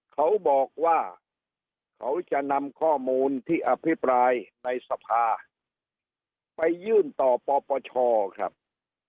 เขาบอกว่าเขาจะนำข้อมูลที่อภิปรายในสภาไปยื่นต่อปปชครับ